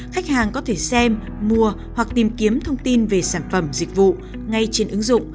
khách hàng có thể xem mua hoặc tìm kiếm thông tin về sản phẩm dịch vụ ngay trên ứng dụng